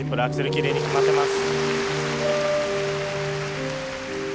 きれいに決まってます。